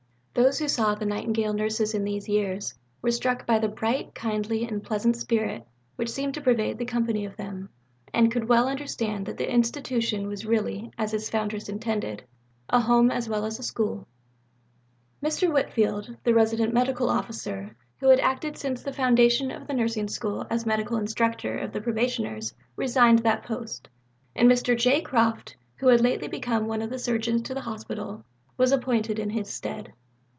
Those who saw the Nightingale nurses in these years were struck by the bright, kindly and pleasant spirit which seemed to pervade the company of them, and could well understand that the Institution was really, as its foundress intended, a home as well as a school. See Bibliography A, No. 67. Mr. Whitfield, the Resident Medical Officer, who had acted since the foundation of the Nursing School as Medical Instructor of the Probationers, resigned that post, and Mr. J. Croft, who had lately become one of the Surgeons to the Hospital, was appointed in his stead.